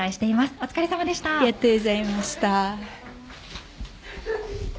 お疲れさまでした。